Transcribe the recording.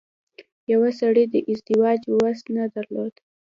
يوه سړي د ازدواج وس نه درلود.